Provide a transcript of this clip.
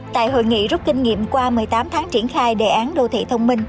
tại hội nghị rút kinh nghiệm qua một mươi tám tháng triển khai đề án đô thị thông minh